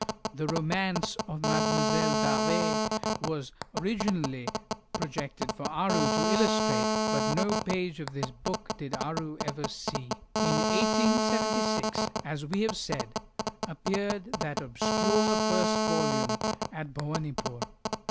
The romance of "Mlle. D'Arvers" was originally projected for Aru to illustrate, but no page of this book did Aru ever see. In 1876, as we have said, appeared that obscure first volume at Bhowanipore.